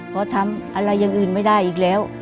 เพราะทำอะไรอย่างอื่นไม่ได้อีกแล้ว